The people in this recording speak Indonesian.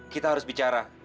kita harus bicara